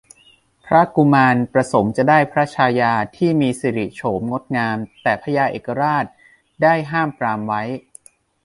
พระกุมารประสงค์จะได้พระชายาที่มีสิริโฉมงดงาม แต่พญาเอกราชได้ห้ามปรามไว้